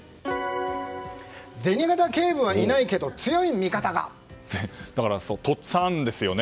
銭形警部はいないけど強い味方が。とっつぁん！ですよね。